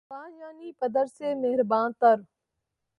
خدا‘ یعنی پدر سے مہرباں تر